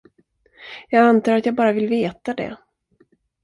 Jag antar att jag bara vill veta det.